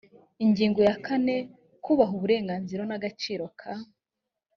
ingingo ya kane kubaha uburenganzira n agaciro ka